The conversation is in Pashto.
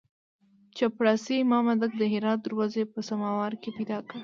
چپړاسي مامدک د هرات دروازې په سماوار کې پیدا کړ.